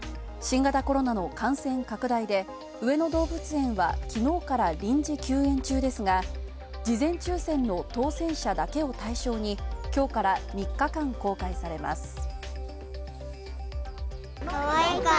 新型コロナの感染拡大で、上野動物園はきのうから臨時休園中ですが事前抽選の当選者だけを対象にきょうから３日間、公開されます。